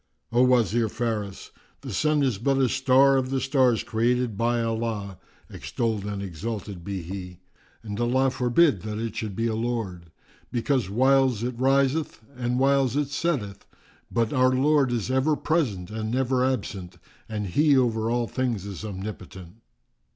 "O Wazir Faris, the sun is but a star of the stars created by Allah (extolled and exalted be He!), and Allah forbid that it should be a Lord! Because whiles it riseth and whiles it setteth, but our Lord is ever present and never absent and He over all things is Omnipotent!"